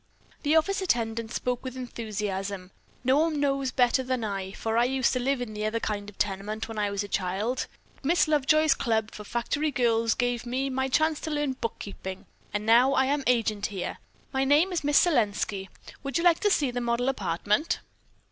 The office attendant spoke with enthusiasm. "No one knows better than I, for I used to live in the other kind of tenement when I was a child, but Miss Lovejoy's club for factory girls gave me my chance to learn bookkeeping, and now I am agent here. My name is Miss Selenski. Would you like to see the model apartment?"